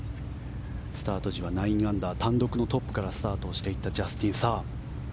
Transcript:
スタート時は９アンダー、単独トップからスタートしていったジャスティン・サー。